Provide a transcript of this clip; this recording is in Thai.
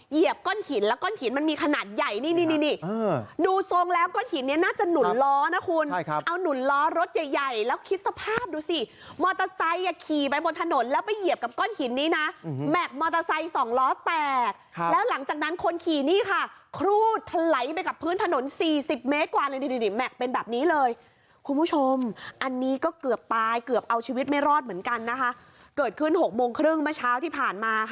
เอาหนุนล้อรถใหญ่แล้วคิดสภาพดูสิมอเตอร์ไซค์ขี่ไปบนถนนแล้วไปเหยียบกับก้อนหินนี้นะแมคมอเตอร์ไซค์๒ล้อแตกแล้วหลังจากนั้นคนขี่นี่ค่ะครูทไล่ไปกับพื้นถนน๔๐เมตรกว่าเลยดิแม่เป็นแบบนี้เลยคุณผู้ชมอันนี้ก็เกือบตายเกือบเอาชีวิตไม่รอดเหมือนกันนะค่ะเกิดขึ้น๖โมงครึ่งเมื่อเช้า